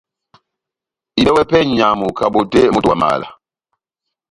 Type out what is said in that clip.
Ihibɛwɛ pɛhɛ nʼnyamu kabotè moto wa mala